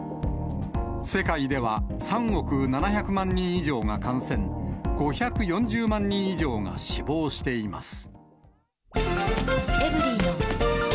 世界では、３億７００万人以上が感染、５４０万人以上が死亡しています。